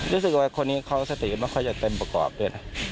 รู้สึกว่าคนนี้เขาสติไม่ค่อยจะเต็มประกอบด้วยนะ